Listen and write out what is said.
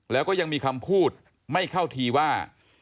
แล้วก็ยังมีคำพูดไม่เข้าทีว่า